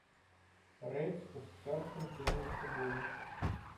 Рэдзьку з цёртым пер'ем цыбулі.